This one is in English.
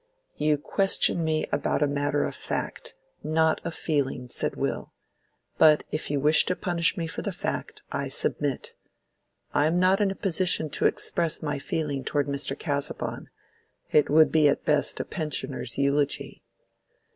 "You questioned me about the matter of fact, not of feeling," said Will. "But if you wish to punish me for the fact, I submit. I am not in a position to express my feeling toward Mr. Casaubon: it would be at best a pensioner's eulogy."